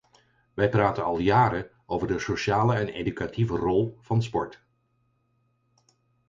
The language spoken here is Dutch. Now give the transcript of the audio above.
Wij praten al jaren over de sociale en educatieve rol van sport.